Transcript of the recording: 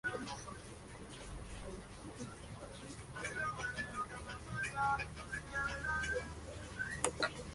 Puede haber una concentración de radón en los respiraderos de las minas subterráneas.